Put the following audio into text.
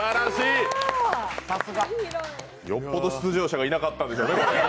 よっぽど出場者いなかったんでしょうね